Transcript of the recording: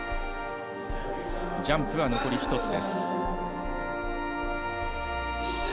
ジャンプは残り１つです。